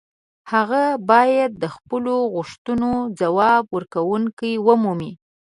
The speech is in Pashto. هغه باید د خپلو غوښتنو ځواب ورکوونکې ومومي.